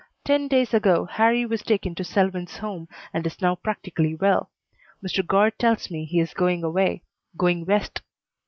Ten days ago Harrie was taken to Selwyn's home and is now practically well. Mr. Guard tells me he is going away; going West.